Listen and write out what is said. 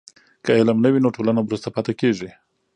که علم نه وي نو ټولنه وروسته پاتې کېږي.